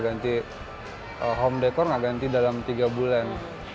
ganti home decor gak ganti dalam tiga bulan